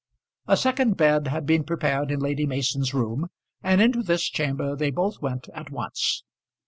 A second bed had been prepared in Lady Mason's room, and into this chamber they both went at once.